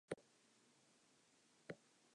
First, it will open the phishing material.